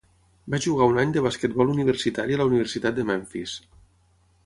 Va jugar un any de basquetbol universitari a la Universitat de Memphis.